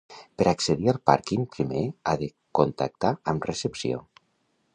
Per accedir al pàrquing primer ha de contactar amb recepció.